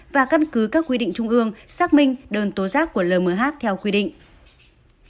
và căn cứ các quy định trung ương xác minh đơn tố giác của lm h theo quy định